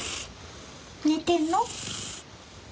寝てんの？